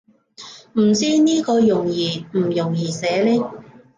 唔知呢個容易唔容易寫呢